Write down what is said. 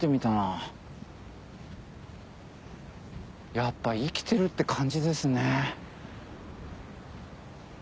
やっぱ生きてるって感じですね。